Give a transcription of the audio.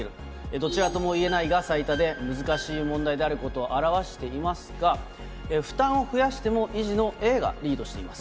どちらともいえないが最多で、難しい問題であることを表していますが、負担を増やしても維持のＡがリードしています。